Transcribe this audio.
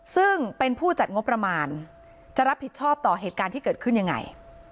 ซึ่งเป็นผู้จัดงบประมาณจะรับผิดชอบต่อเหตุการณ์ที่เกิดขึ้นยังไง